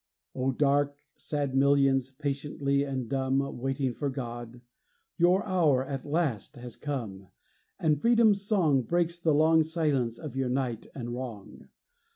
O dark, sad millions, patiently and dumb Waiting for God, your hour, at last, has come, And freedom's song Breaks the long silence of your night of wrong!